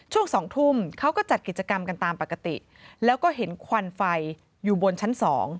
ช่วง๒ทุ่มเขาก็จัดกิจกรรมกันตามปกติแล้วก็เห็นควันไฟอยู่บนชั้น๒